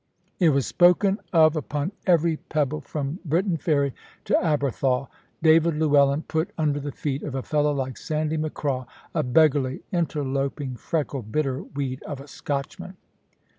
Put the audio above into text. It was spoken of upon every pebble from Briton Ferry to Aberthaw. David Llewellyn put under the feet of a fellow like Sandy Macraw a beggarly, interloping, freckled, bitter weed of a Scotchman!"